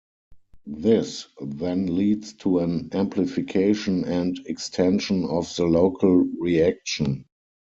This then leads to an amplification and extension of the local reaction.